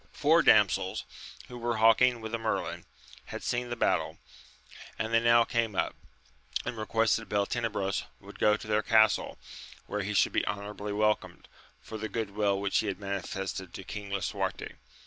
Four damsels, who were hawking with a merlin, had seen the battle, and they now came up, and requested Beltenebros would go to their castle, where he should be honourably welcomed, for the good will which he had manifested to King Lisuarte.